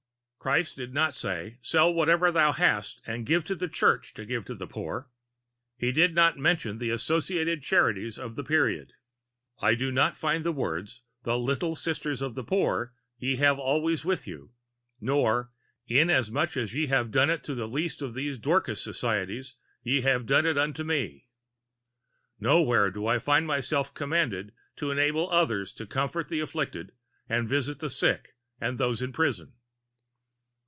Christ did not say "Sell whatsoever thou hast and give to the church to give to the poor." He did not mention the Associated Charities of the period. I do not find the words "The Little Sisters of the Poor ye have always with you," nor "Inasmuch as ye have done it unto the least of these Dorcas societies ye have done it unto me." Nowhere do I find myself commanded to enable others to comfort the afflicted and visit the sick and those in prison.